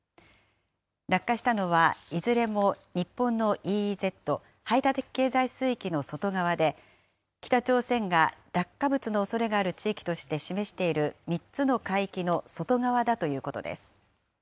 落下したのは、いずれも日本のＥＥＺ・排他的経済水域の外側で、北朝鮮が落下物のおそれがある地域として示している３つの海域の外側だということです。